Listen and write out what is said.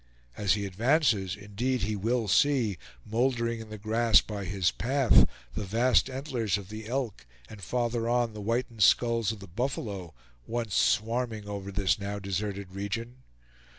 As he advances, indeed, he will see, moldering in the grass by his path, the vast antlers of the elk, and farther on, the whitened skulls of the buffalo, once swarming over this now deserted region.